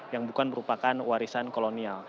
yang bukan merupakan warisan kolonial